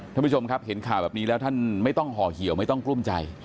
ท่านผู้ชมครับเห็นข่าวแบบนี้แล้วท่านไม่ต้องห่อเหี่ยวไม่ต้องกลุ้มใจ